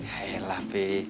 ya ya lah pi